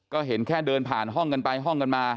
ก็เห็นแค่เดินผ่านห้องกันไปห้องกันมา